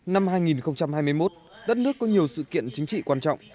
năm hai nghìn hai mươi một đất nước có nhiều sự kiện chính trị quan trọng